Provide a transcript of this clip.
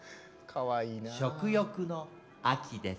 食欲の秋です。